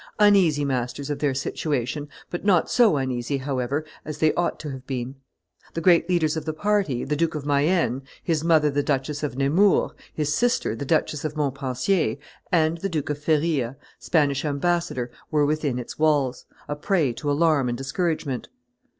Uneasy masters of their situation; but not so uneasy, however, as they ought to have been. The great leaders of the party, the Duke of Mayenne, his mother the Duchess of Nemours, his sister the Duchess of Montpensier, and the Duke of Feria, Spanish ambassador, were within its walls, a prey to alarm and discouragement.